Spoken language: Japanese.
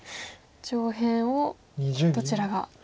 上辺をどちらが。